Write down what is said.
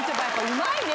うまいね